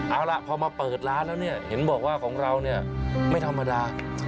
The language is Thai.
เอาล่ะพอมาเปิดร้านแล้วเนี่ยเห็นบอกว่าของเราเนี่ยไม่ธรรมดา